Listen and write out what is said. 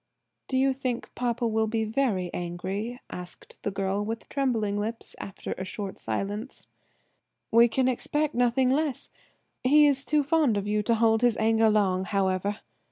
"Do you think papa will be very angry?" asked the girl with trembling lips after a short silence. "We can expect nothing less. He is too fond of you to hold his anger long, however.